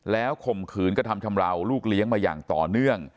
แล้วข่มขืนกระทำชำราวลูกเลี้ยงมาอย่างต่อเนื่อง